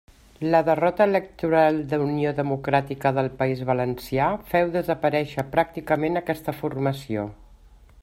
La derrota electoral d'Unió Democràtica del País Valencià féu desaparèixer pràcticament aquesta formació.